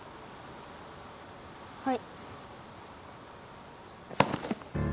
はい。